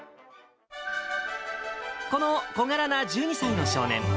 この小柄な１２歳の少年。